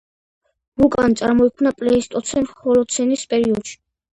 ვულკანი წარმოიქმნა პლეისტოცენ–ჰოლოცენის პერიოდში.